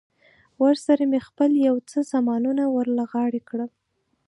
ورسره مې خپل یو څه سامانونه ور له غاړې کړل.